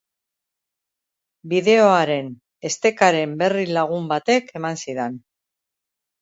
Bideoaren estekaren berri lagun batek eman zidan.